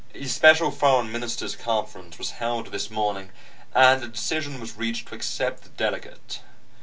A special foreign ministers conference was held this morning, and a decision was reached to accept the delegate.